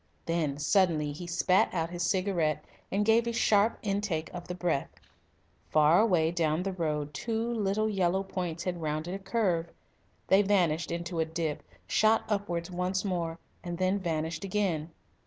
Then suddenly he spat out his cigarette and gave a sharp intake of the breath. Far away down the road two little yellow points had rounded a curve. They vanished into a dip, shot upwards once more, and then vanished again.